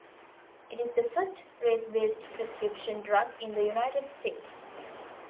It is the first race-based prescription drug in the United States.